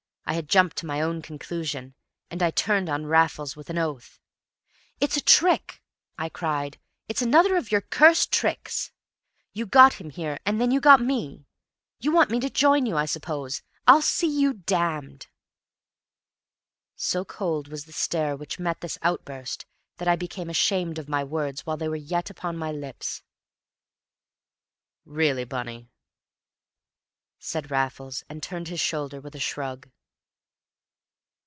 I had jumped to my own conclusion, and I turned on Raffles with an oath. "It's a trick!" I cried. "It's another of your cursed tricks! You got him here, and then you got me. You want me to join you, I suppose? I'll see you damned!" So cold was the stare which met this outburst that I became ashamed of my words while they were yet upon my lips. "Really, Bunny!" said Raffles, and turned his shoulder with a shrug.